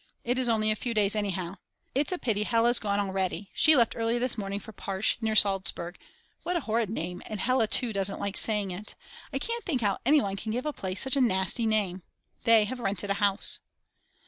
It is only a few days anyhow. It's a pity Hella's gone already, she left early this morning for Parsch near Salzburg, what a horrid name and Hella too doesn't like saying it; I can't think how anyone can give a place such a nasty name. They have rented a house.